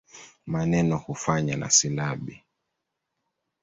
Maneno kufanywa na silabi.